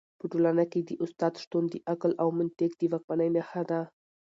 په ټولنه کي د استاد شتون د عقل او منطق د واکمنۍ نښه ده.